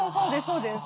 そうです。